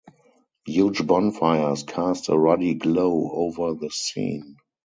Huge bonfires cast a ruddy glow over the scene.